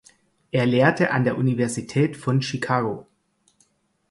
Er lehrte an der Universität von Chicago.